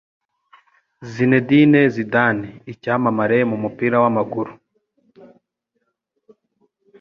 Zinedine Zidane icyamamare mu mupira w'amaguru